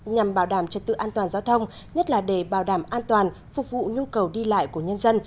nhằm bảo đảm trật tự an toàn giao thông nhất là để bảo đảm an toàn phục vụ nhu cầu đi lại của nhân dân